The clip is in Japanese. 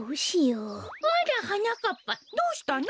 あらはなかっぱどうしたの？